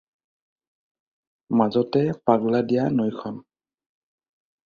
মাজতে পাগলাদিয়া নৈখন।